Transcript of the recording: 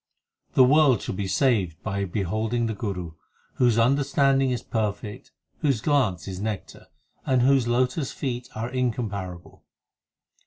8 The world shall be saved by beholding the Guru, Whose understanding is perfect, whose glance is nectar, And whose lotus feet are incomparable.